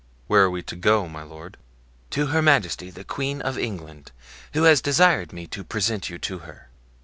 "Where are we to go, my lord?" "To Her Majesty the Queen of England, who has desired me to present you to her."